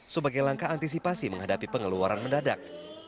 sebagai langkah antisipasi menghadapi pengeluaran mendadak